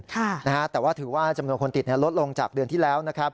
แต่ว่าถือว่าจำนวนคนติดลดลงจากเดือนที่แล้วนะครับ